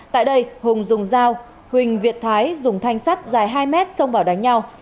tại đây hùng dùng dao huỳnh việt thái dùng thanh sắt dài hai mét xông vào đánh nhau